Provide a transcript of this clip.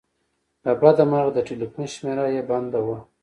له بده مرغه د ټیلیفون شمېره یې بنده وه.